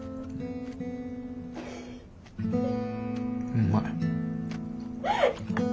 うまい。